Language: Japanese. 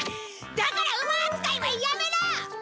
だから馬扱いはやめろ！